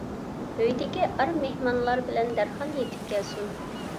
ئۆيدىكى ئار مېھمانلار بىلەن دەرھال يېتىپ كەلسۇن.